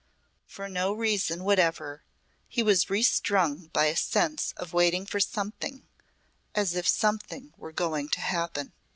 For no reason whatever he was restrung by a sense of waiting for something as if something were going to happen.